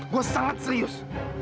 gua sangat serius